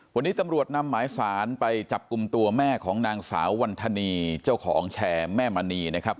วันนี้ตำรวจนำหมายสารไปจับกลุ่มตัวแม่ของนางสาววันธนีเจ้าของแชร์แม่มณีนะครับ